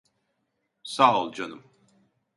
Sağ ol canım.